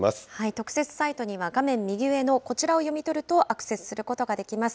特設サイトには画面右上のこちらを読み取るとアクセスすることができます。